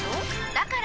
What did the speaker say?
だから！